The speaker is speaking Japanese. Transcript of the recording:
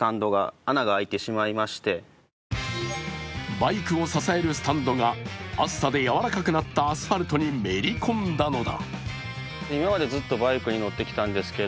バイクを支えるスタンドが暑さでやわらかくなったアスファルトにめり込んだのだ。